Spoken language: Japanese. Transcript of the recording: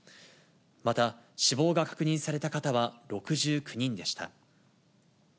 また、死亡が確認された方は６９人でした。